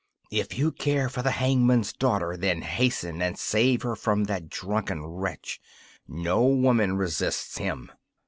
'If you care for the hangman's daughter, then hasten and save her from that drunken wretch. No woman resists him!